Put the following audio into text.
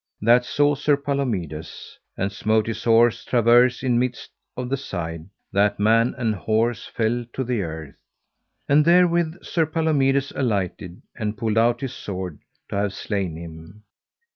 That saw Sir Palomides, and smote his horse traverse in midst of the side, that man and horse fell to the earth. And therewith Sir Palomides alighted and pulled out his sword to have slain him.